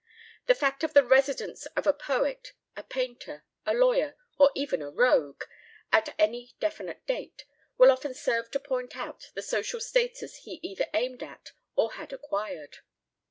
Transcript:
The fact of the residence of a poet, a painter, a lawyer, or even a rogue, at any definite date, will often serve to point out the social status he either aimed at or had acquired.